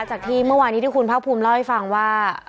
จากที่เมื่อวานี้ที่คุณภาคภูมิเล่าให้ฟังว่า